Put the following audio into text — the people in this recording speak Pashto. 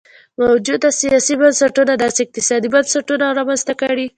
موجوده سیاسي بنسټونو داسې اقتصادي بنسټونه رامنځته کړي.